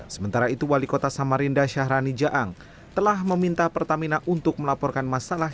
sementara itu wali kota samarinda syahrani jaang telah meminta pertamina untuk melaporkan masalah